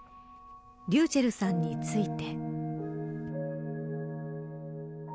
ｒｙｕｃｈｅｌｌさんについて。